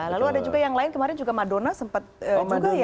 lalu ada juga yang lain kemarin juga madona sempat juga ya